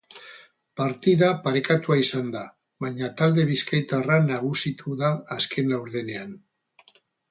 Partida parekatua izan da, baina talde bizkaitarra nagusitu da azken laurdenean.